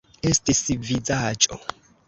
Estis vizaĝo.